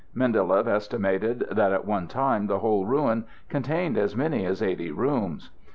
Mindeleff estimated that at one time the whole ruin contained as many as 80 rooms.